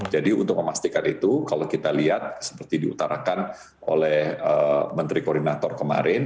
jadi untuk memastikan itu kalau kita lihat seperti diutarakan oleh menteri koordinator kemarin